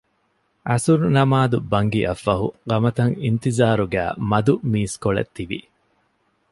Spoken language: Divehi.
ޢަޞުރު ނަމާދުގެ ބަންގިއަށްފަހު ޤަމަތަށް އިންތިޒާރުގައި މަދު މީސްކޮޅެއް ތިވި